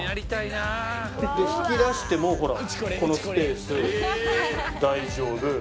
引き出してもこのスペース大丈夫。